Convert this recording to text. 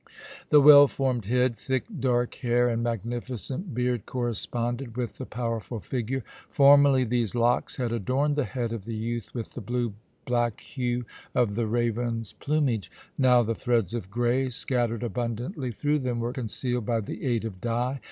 The well formed head, thick dark hair, and magnificent beard corresponded with the powerful figure. Formerly these locks had adorned the head of the youth with the blue black hue of the raven's plumage; now the threads of grey scattered abundantly through them were concealed by the aid of dye.